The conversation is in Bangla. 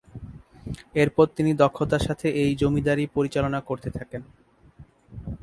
এরপর তিনি দক্ষতার সাথে এই জমিদারী পরিচালনা করতে থাকেন।